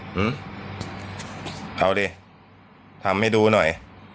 อืมเอาดิทำให้ดูหน่อย